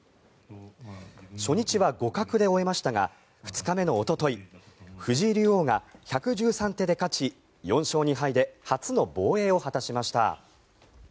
初日は互角で終えましたが２日目のおととい藤井竜王が１１３手で勝ち４勝２敗で初の防衛を果たしました。